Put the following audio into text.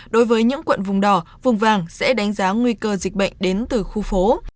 đối với những quận vùng đỏ vùng vàng sẽ đánh giá nguy cơ dịch bệnh đến từ khu phố